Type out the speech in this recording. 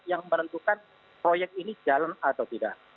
yang menentukan proyek ini jalan atau tidak